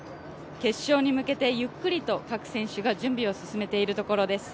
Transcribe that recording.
決勝に向けてゆっくりと各選手が準備を進めているところです。